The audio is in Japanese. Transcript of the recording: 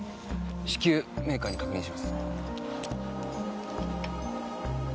至急メーカーに確認します。